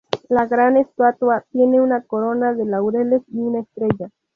La gran estatua tiene una corona de laureles y una estrella.